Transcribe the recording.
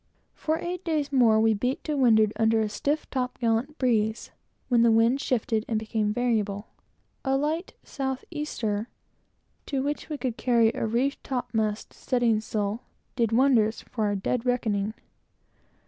For eight days more we beat to windward under a stiff top gallant breeze, when the wind shifted and became variable. A light south easter, to which we could carry a reefed topmast studding sail, did wonders for our dead reckoning.